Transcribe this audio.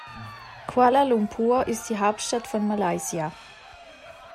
Kuala Lumpur ist die Hauptstadt von Malaysia.